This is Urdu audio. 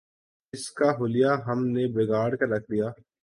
اس کا حلیہ ہم نے بگاڑ کے رکھ دیا۔